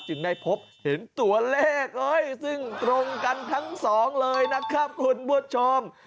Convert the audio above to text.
ได้พบเห็นตัวเลขซึ่งตรงกันทั้งสองเลยนะครับคุณผู้ชม